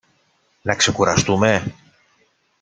να ξεκουραστούμε;